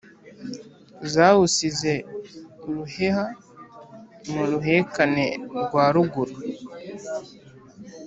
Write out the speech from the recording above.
zawusize uruheha mu ruhekane rwa ruguru